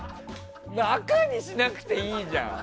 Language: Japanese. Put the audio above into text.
赤にしなくていいじゃん！